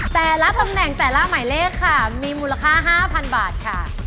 แต่ละตำแหน่งแต่ละหมายเลขค่ะมีมูลค่า๕๐๐๐บาทค่ะ